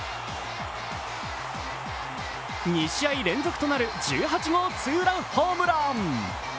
２試合連続となる１８号ツーランホームラン。